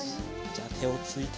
じゃあてをついて。